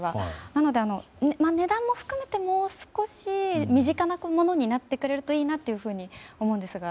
なので、値段も含めてもう少し身近なものになってくれるといいなと思うんですが。